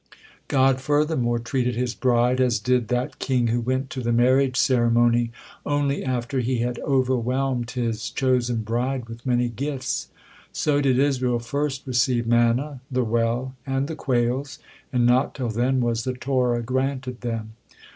God furthermore treated His bride as did that king who went to the marriage ceremony only after he had overwhelmed his chosen bride with many gifts. So did Israel first receive manna, the well, and the quails, and not till then was the Torah granted them.